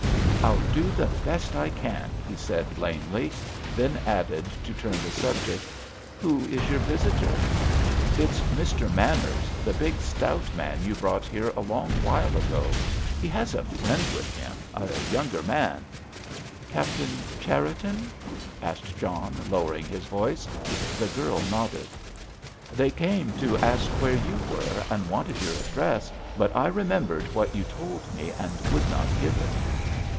"I'll do the best I can," he said, lamely, then added, to turn the subject, "Who is your visitor?" "It's Mr. Manners, the big, stout man you brought here a long while ago. He has a friend with him, a younger man." "Captain Cherriton?" asked John, lowering his voice. The girl nodded. "They came to ask where you were, and wanted your address, but I remembered what you told me and would not give it."